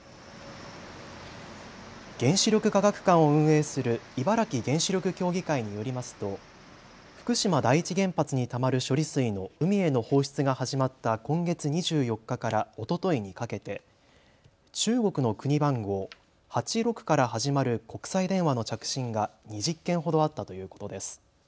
原子力科学館を運営する茨城原子力協議会によりますと福島第一原発にたまる処理水の海への放出が始まった今月２４日からおとといにかけて中国の国番号、８６から始まる国際電話の着信が２０件ほどあったということです。